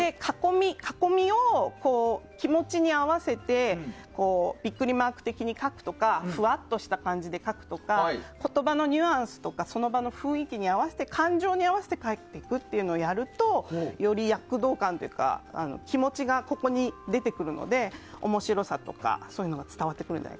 囲みを気持ちに合わせてビックリマーク的に書くとかふわっとした感じで書くとか言葉のニュアンスとかその場の雰囲気に合わせて感情に合わせて書くとより躍動感というか、気持ちがここに出てくるので面白さとかそういうのが伝わってくると。